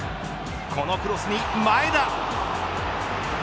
このクロスに前田。